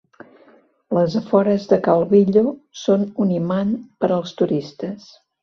Les afores de Calvillo són un imant per als turistes.